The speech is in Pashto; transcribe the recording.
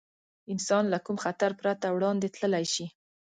انسان له کوم خطر پرته وړاندې تللی شي.